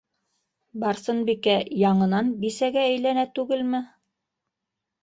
Барсынбикә яңынан бисәгә әйләнә түгелме?